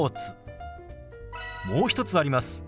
もう一つあります。